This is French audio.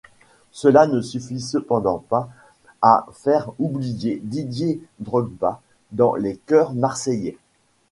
Cela ne suffit cependant pas à faire oublier Didier Drogba dans les cœurs marseillais.